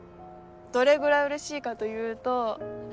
どれぐらいうれしいかというと。